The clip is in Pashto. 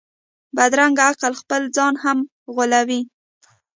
بدرنګه عقل خپل ځان هم غولوي